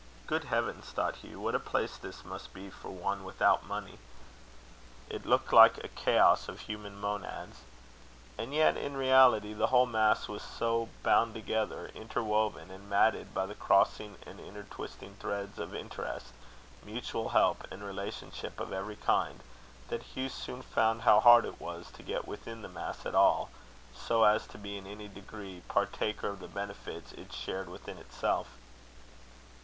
"Good heavens!" thought Hugh; "what a place this must be for one without money!" It looked like a chaos of human nomads. And yet, in reality, the whole mass was so bound together, interwoven, and matted, by the crossing and inter twisting threads of interest, mutual help, and relationship of every kind, that Hugh soon found how hard it was to get within the mass at all, so as to be in any degree partaker of the benefits it shared within itself.